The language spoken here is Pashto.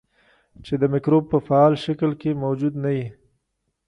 چې د مکروب په فعال شکل کې موجود نه وي.